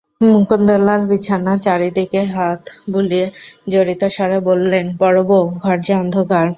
মুকুন্দলাল বিছানার চারি দিকে হাত বুলিয়ে জড়িতস্বরে বললেন, বড়োবউ, ঘর যে অন্ধকার!